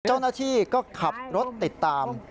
เจ้าหน้าที่ก็ขับรถติดตาม